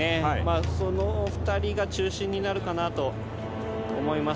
その２人が中心になるかなと思います。